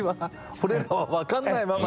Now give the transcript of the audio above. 俺らは分からないまま？